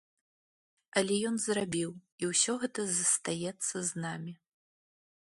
Але ён зрабіў, і ўсё гэта застаецца з намі.